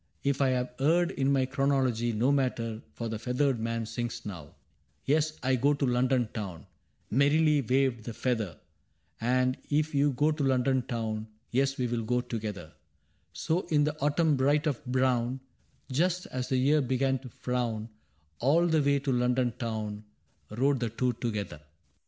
If I have erred in my chronology, No matter, — for the feathered man sings now :Tes^ I go to London Town ' {Aferrily waved the feather)^ * And if you go to London Town^ TeSj we *ll go together, * So in the autumn bright and brown, fust as the year began tofrown^ All the way to London Town Rode the two together.